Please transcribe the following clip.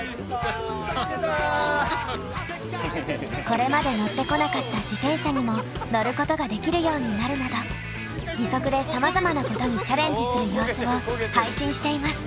これまで乗ってこなかった自転車にも乗ることができるようになるなど義足でさまざまなことにチャレンジする様子を配信しています。